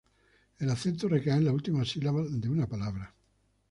El acento recae en la última sílaba de una palabra.